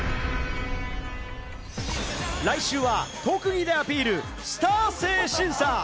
来週は、特技アピール、スター性審査。